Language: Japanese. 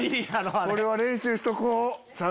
これは練習しとこう。